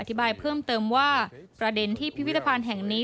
เพิ่มเติมว่าประเด็นที่พิพิธภัณฑ์แห่งนี้